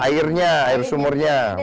airnya air sumurnya